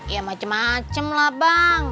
ya macem macem lah bang